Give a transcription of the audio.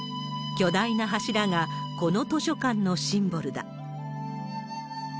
巨大な柱がこの図書館のシンボルだ。